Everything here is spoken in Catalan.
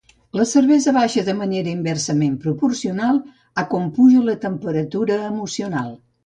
La cervesa baixa de manera inversament proporcional a com puja la temperatura emocional.